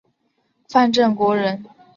范正国人。